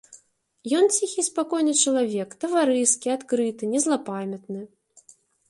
Ён ціхі і спакойны чалавек, таварыскі, адкрыты, незлапамятны.